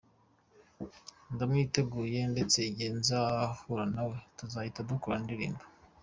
Ndamwiteguye ndetse igihe nzahura na we tuzahita dukorana indirimbo.